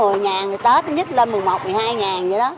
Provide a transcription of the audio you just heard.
thì tết nó nhít lên một mươi một một mươi hai vậy đó